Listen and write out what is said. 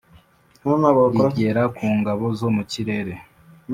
rigera ku ngabo zo mu kirere